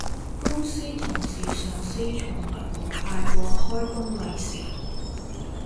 公司同事上司從來冇派過開工利是